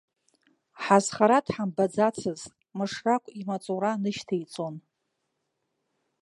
Ҳазхара дҳамбаӡацызт, мышрақә имаҵура нышьҭеиҵон.